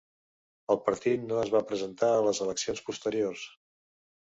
El partit no es va presentar a les eleccions posteriors.